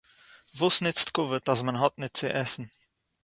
וואָס נוצט כּבֿוד אַז מען האָט ניט צו עסן?